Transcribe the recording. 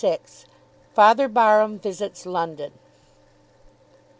FATHER BARHAM VISITS LONDON.